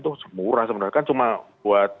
tuh murah sebenarnya kan cuma buat